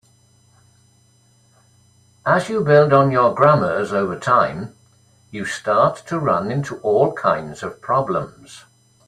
As you build on your grammars over time, you start to run into all kinds of problems.